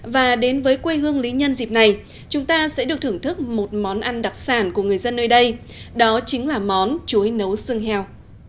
và đến với quê hương lý nhân dịp này chúng ta sẽ được thưởng thức một món ăn đặc sản của người dân nơi đây đó chính là món chuối nấu xương heo